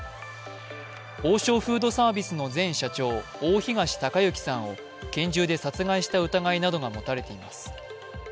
王将フードサービスの前社長、大東隆行さんを拳銃で殺害した疑いなどが持たれています。